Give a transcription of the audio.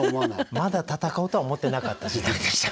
まだ戦おうとは思ってなかった時代でしたね。